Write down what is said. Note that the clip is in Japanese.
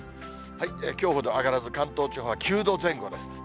きょうほど上がらず、関東地方は９度前後です。